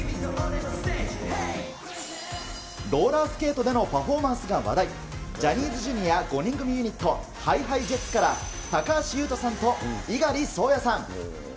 ローラースケートでのパフォーマンスが話題、ジャニーズＪｒ．５人組ユニット、ＨｉＨｉＪｅｔｓから高橋優斗さんと猪狩蒼弥さん。